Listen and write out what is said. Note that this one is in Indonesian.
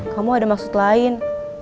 kamu ada maksud lain